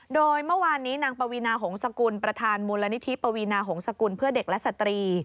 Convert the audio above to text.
โดยเมื่อวานนี้นางปวีนาหงษกุลประธานมูลนิธิปวีนาหงษกุลเพื่อเด็กและสตรี